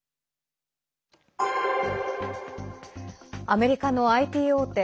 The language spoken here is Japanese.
アメリカのＩＴ大手